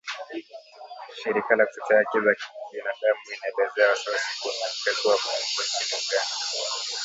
shirika la kutetea haki za binadamu inaelezea wasiwasi kuhusu kuteswa wafungwa nchini Uganda